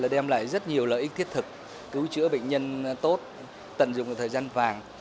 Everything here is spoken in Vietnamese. đem lại rất nhiều lợi ích thiết thực cứu chữa bệnh nhân tốt tận dụng thời gian vàng